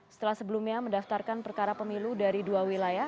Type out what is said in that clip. setelah sebelumnya mendaftarkan perkara pemilu dari dua wilayah